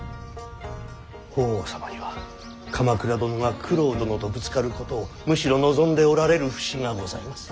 法皇様には鎌倉殿が九郎殿とぶつかることをむしろ望んでおられる節がございます。